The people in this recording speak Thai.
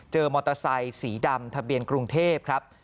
มอเตอร์ไซสีดำทะเบียนกรุงเทพครับ